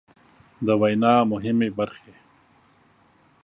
د وينا مهمې برخې